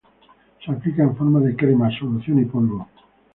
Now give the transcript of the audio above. Se aplica en forma de crema, solución y polvo.